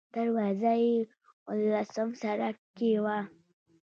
دروازه یې اوولسم سړک کې وه.